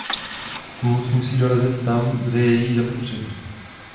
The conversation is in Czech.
Pomoc musí dorazit tam, kde je jí zapotřebí.